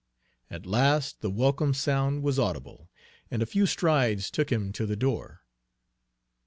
At last the welcome sound was audible, and a few strides took him to the door.